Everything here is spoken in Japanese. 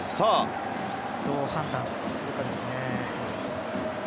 どう判断するかですね。